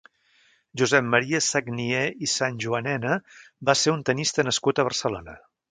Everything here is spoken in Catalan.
Josep Maria Sagnier i Sanjuanena va ser un tennista nascut a Barcelona.